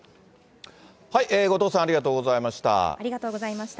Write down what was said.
後藤さん、ありがとうございました。